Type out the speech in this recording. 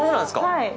はい。